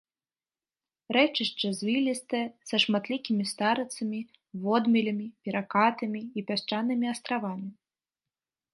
Рэчышча звілістае, са шматлікімі старыцамі, водмелямі, перакатамі і пясчанымі астравамі.